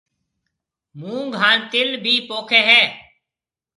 مونگ ھان تِل ڀِي پوکيَ ھيََََ